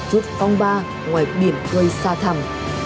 rút phong ba ngoài biển cây xa thẳm